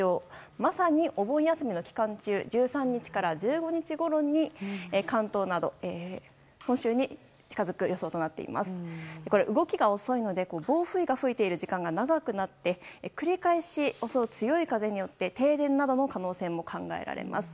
まさにお盆休みの期間中１３日から１５日ごろに動きが遅いので暴風が吹いている時間が長くなって繰り返し襲う強い風によって停電などの可能性も考えられます。